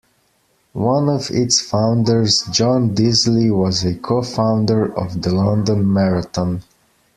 One of Its founders John Disley was a co-founder of the London Marathon.